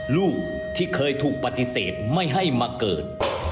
ลูกที่เคยถูกปฏิเสธไม่ให้มาเกิด